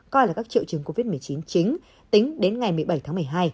coi là các triệu chứng covid một mươi chín chính tính đến ngày một mươi bảy tháng một mươi hai